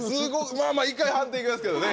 まぁ一回判定いきますけどね。